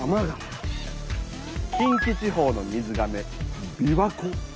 近畿地方の水がめ琵琶湖。